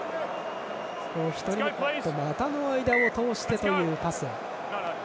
股の間を通してというパス。